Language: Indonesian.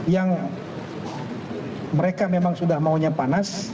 yang mereka memang sudah maunya panas